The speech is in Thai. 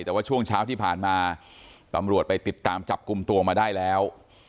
แต่ว่าช่วงเช้าที่ผ่านมาตำรวจไปติดตามจับกลุ่มตัวมาได้แล้ว